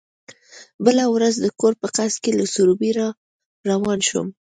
بله ورځ د کور په قصد له سروبي را روان شوم.